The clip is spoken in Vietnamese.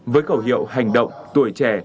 với cầu hiệu hành động tuổi trẻ